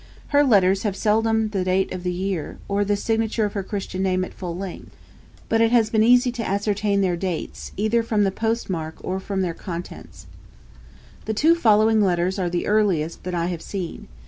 Her letters have very seldom the date of the year, or the signature of her christian name at full length; but it has been easy to ascertain their dates, either from the post mark, or from their contents. The two following letters are the earliest that I have seen.